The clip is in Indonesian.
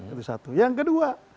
itu satu yang kedua